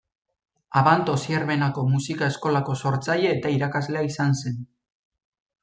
Abanto-Zierbenako Musika Eskolako sortzaile eta irakaslea izan da.